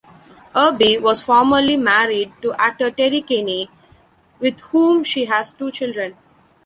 Erbe was formerly married to actor Terry Kinney, with whom she has two children.